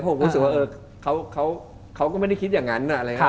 ผมรู้สึกว่าเขาก็ไม่ได้คิดอย่างนั้น